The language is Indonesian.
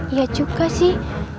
iya juga sih